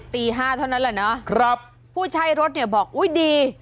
ตีห้าเท่านั้นแหละเนาะผู้ใช้รถเนี่ยบอกอุ้ยดี